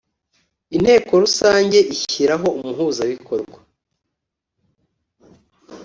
inteko rusange ishyiraho umuhuzabikorwa